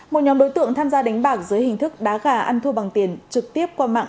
một nhóm đối tượng tham gia đánh bạc dưới hình thức đá gà ăn thua bằng tiền trực tiếp qua mạng